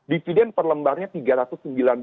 dividend per lembarnya rp tiga ratus sembilan puluh dua